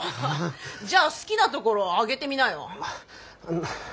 じゃあ好きなところ挙げてみなよ。